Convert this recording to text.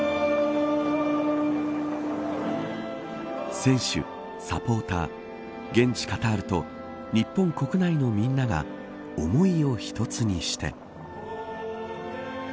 選手、サポーター現地カタールと日本国内のみんなが思いを一つにして。